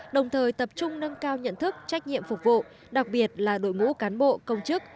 đồng thời tập trung nâng cao nhận thức trách nhiệm phục vụ đặc biệt là đội ngũ cán bộ công chức